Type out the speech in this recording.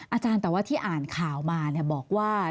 อาจารย์แต่ว่าที่อ่านข่าวมาบอกว่า